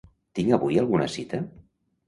Tinc avui alguna cita?